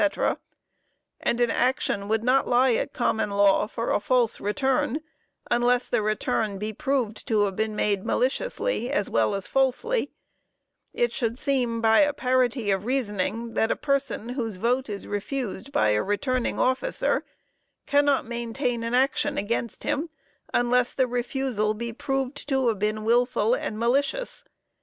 ] and an action would not lie at common law for a false return, unless the return be proved to have been made maliciously, as well as falsely, it should seem, by a parity of reasoning, that a person whose vote is refused by a returning officer, cannot maintain an action against him, unless the refusal be proved to have been wilful and malicious.